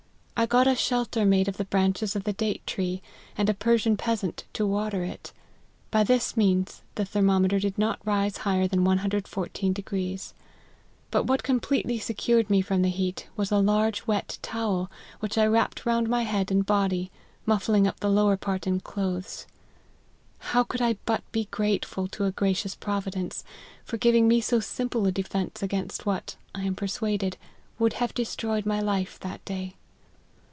I got a shelter made of the branches of the date tree, and a Persian peasant to water it ; by this means the thermometer did not rise higher than 114. But what completely secured me from the heat, was a large wet towel, which I wrapped round my head and body, muffling up the lower part in clothes. How could I but be grateful to a gracious Provi dence, for giving me so simple a defence against what, I am persuaded, would have destroyed my life that day.